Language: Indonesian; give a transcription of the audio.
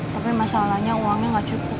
tapi masalahnya uangnya nggak cukup